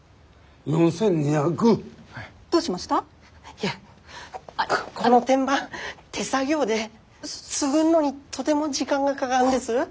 いやこの天板手作業で作んのにとても時間がかがんです。